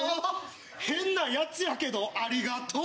変なヤツやけどありがとう！